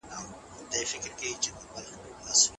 موږ ته لارښوونه وشوه چې احتیاط وکړو.